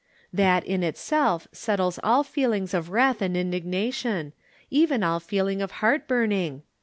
That, in itself, settles all feelings of wrath and indignation, even all feeling of heart burn ing.